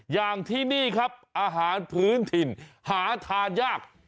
อย่างที่นี่ครับอาหารพื้นถิ่นหาทานยาก